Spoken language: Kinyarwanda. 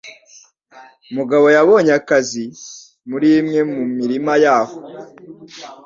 Mugabo yabonye akazi muri imwe mu mirima yaho.